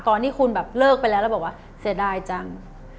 ที่คุณแบบเลิกไปแล้วแล้วบอกว่าเสียดายจัง